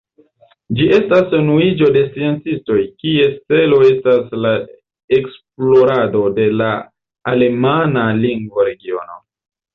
Ĝi estas unuiĝo de sciencistoj, kies celo estas la esplorado de la alemana lingvo-regiono.